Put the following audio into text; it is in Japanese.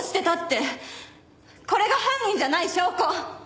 これが犯人じゃない証拠。